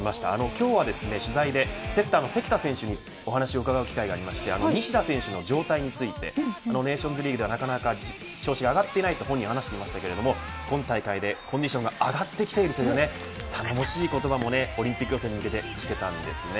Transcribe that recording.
今日は取材で、セッターの関田選手にお話を伺う機会を得まして西田選手の状態についてネーションズリーグではなかなか調子上がっていないと本人は話していましたが今大会でコンディションが上がってきてるという頼もしい言葉もオリンピック予選に向けて聞けたんですね。